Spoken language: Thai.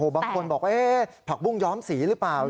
บางคนบอกว่าผักบุ้งย้อมสีหรือเปล่า